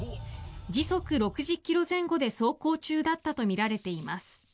時速６０ｋｍ前後で走行中だったとみられています。